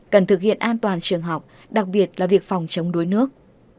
cần thực hiện an toàn trường học đặc biệt là việc phòng chống đuối nước